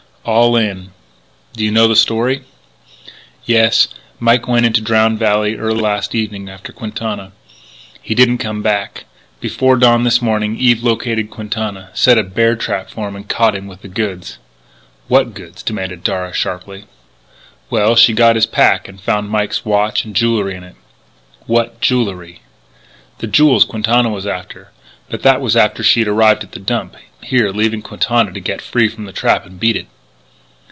"All in." "Do you know the story?" "Yes. Mike went into Drowned Valley early last evening after Quintana. He didn't come back. Before dawn this morning Eve located Quintana, set a bear trap for him, and caught him with the goods " "What goods?" demanded Darragh sharply. "Well, she got his pack and found Mike's watch and jewelry in it " "What jewelry?" "The jewels Quintana was after. But that was after she'd arrived at the Dump, here, leaving Quintana to get free of the trap and beat it.